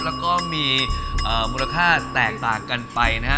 แล้วก็มีมูลค่าแตกต่างกันไปนะฮะ